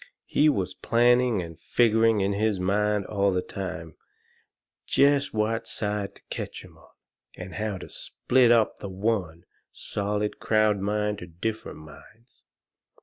He was planning and figgering in his mind all the time jest what side to ketch 'em on, and how to split up the one, solid crowd mind into different minds.